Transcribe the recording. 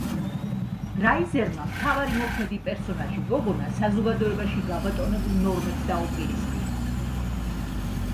დრაიზერმა მთავარი მოქმედი პერსონაჟი გოგონა საზოგადოებაში გაბატონებულ ნორმებს დაუპირისპირა.